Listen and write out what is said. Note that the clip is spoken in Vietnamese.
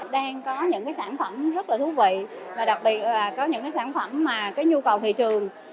đang có những cái sản phẩm rất là thú vị và đặc biệt là có những cái sản phẩm mà cái nhu cầu thị trường